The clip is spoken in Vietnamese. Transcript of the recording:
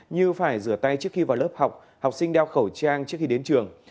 như phải rửa tay trước khi vào lớp học học sinh đeo khẩu trang trước khi đến trường